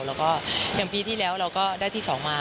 แล้วก็อย่างปีที่แล้วเราก็ได้ที่๒มา